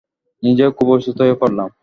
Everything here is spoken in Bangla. নিজেও খুব অসুস্থ হয়ে পড়লাম।